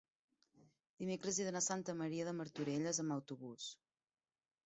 dimecres he d'anar a Santa Maria de Martorelles amb autobús.